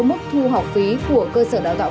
mức thu học phí của cơ sở đảo tạo